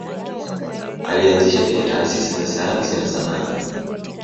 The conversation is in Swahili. Alianzisha pia taasisi za sayansi na sanaa.